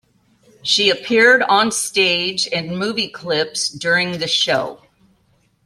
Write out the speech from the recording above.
She appeared on stage and movie clips during the show.